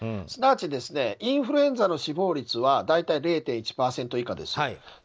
すなわちインフルエンザの死亡率は大体０．１％以下です。